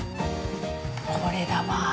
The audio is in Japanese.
これだわー。